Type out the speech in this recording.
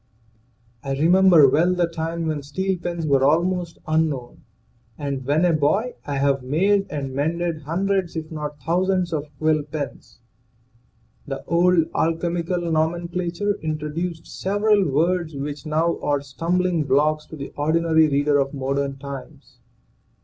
I remember well the time when steel pens were almost unknown, and when a boy I have made and mended hundreds if not thousands of quill pens. WORDS WHICH CONVEY ERRONEOUS IDEAS 221 The old alchemical nomenclature introduced several words which now are stumblingblocks to the ordinary reader of modern times.